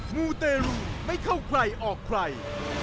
มูเตรูไม่เข้าใครออกใคร